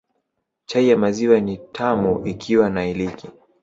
Chai ya maziwa ni tamu ikiwa na iliki